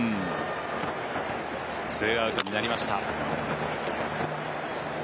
２アウトになりました。